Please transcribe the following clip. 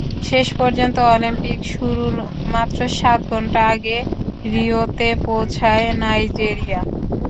শেষ পর্যন্ত অলিম্পিক শুরুর মাত্র সাত ঘণ্টা আগে রিওতে পৌঁছায় নাইজেরিয়া।